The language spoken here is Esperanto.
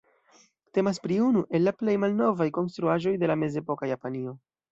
Temas pri unu el la plej malnovaj konstruaĵoj de la mezepoka Japanio.